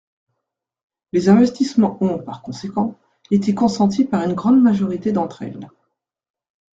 Les investissements ont, par conséquent, été consentis par une grande majorité d’entre elles.